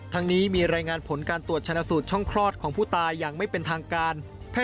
ทั้งนี้มีรายงานผลการตรวจชนะสูตรช่องคลอดของผู้ตายอย่างไม่เป็นทางการ